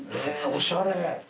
おしゃれ。